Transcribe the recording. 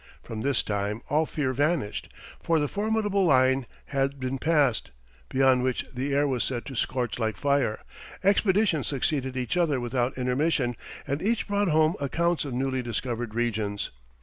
From this time all fear vanished, for the formidable line had been passed, beyond which the air was said to scorch like fire; expeditions succeeded each other without intermission, and each brought home accounts of newly discovered regions.